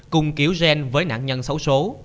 cùng kiểu gen với nạn nhân xấu số